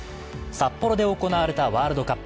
札幌で開かれたワールドカップ。